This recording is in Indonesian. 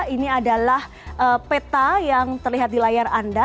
ini adalah peta yang terlihat di layar anda